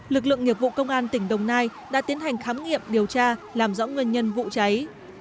lực lượng nghiệp vụ công an tỉnh đồng nai đã tiến hành khám nghiệm điều tra làm rõ nguyên nhân vụ cháy